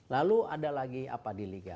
lalu ada lagi apa di liga